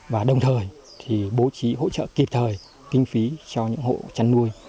và đồng thời bố trí hỗ trợ kịp thời kinh phí cho những hộ chân nuôi